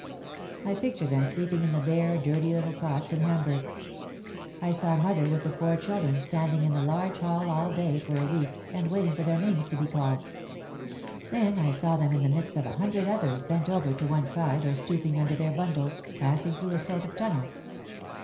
I pictured them sleeping in the bare, dirty little cots in Hamburg. I saw mother with the four children standing in the large hall all day for a week and waiting for their names to be called. Then I saw them in the midst of a hundred others bent over to one side or stooping under their bundles, passing through a sort of tunnel.